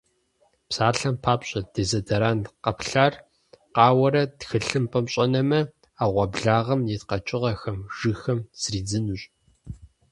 Псалъэм папщӏэ, дезодорант къэплъар къауэрэ тхылъымпӏэм щӏэнэмэ, ӏэгъуэблагъэм ит къэкӏыгъэхэм, жыгхэм зридзынущ.